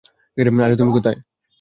আরে তুমি কোথায়?